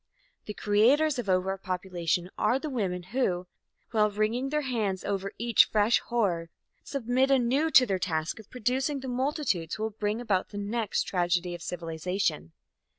The creators of over population are the women, who, while wringing their hands over each fresh horror, submit anew to their task of producing the multitudes who will bring about the next tragedy of civilization.